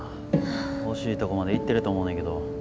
惜しいとこまでいってると思うねけど。